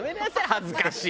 恥ずかしい。